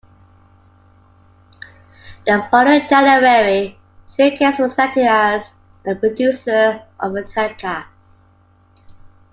The following January, Gil Cates was selected as a producer of the telecast.